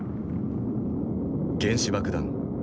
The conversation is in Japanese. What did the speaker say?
原子爆弾。